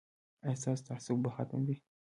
ایا ستاسو تعصب به ختم وي؟